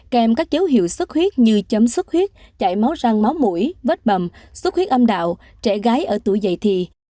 kèm các dấu hiệu xuất huyết như chấm xuất huyết chảy máu răng máu mũi vết bầm xuất huyết âm đạo trẻ gái ở tuổi dày thì